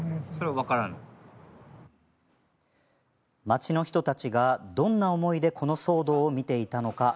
町の人たちが、どんな思いでこの騒動を見ていたのか。